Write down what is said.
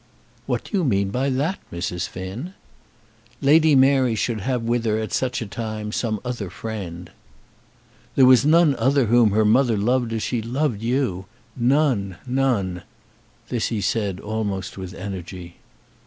"What do you mean by that, Mrs. Finn?" "Lady Mary should have with her at such a time some other friend." "There was none other whom her mother loved as she loved you none, none." This he said almost with energy.